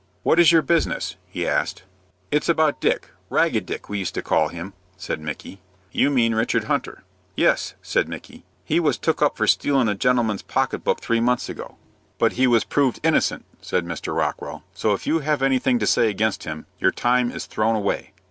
"What is your business?" he asked. "It's about Dick, Ragged Dick we used to call him," said Micky. "You mean Richard Hunter." "Yes," said Micky. "He was took up for stealin' a gentleman's pocket book three months ago." "But he was proved innocent," said Mr. Rockwell, "so, if you have anything to say against him, your time is thrown away."